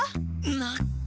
なっ！？